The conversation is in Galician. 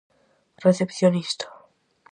Recepcionista.